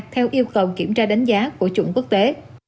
theo yêu cầu kiểm tra đánh giá của chuẩn quốc tế